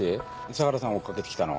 相良さん追っ掛けて来たの？